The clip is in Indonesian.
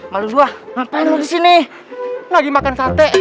makin mau disini lagi makan sate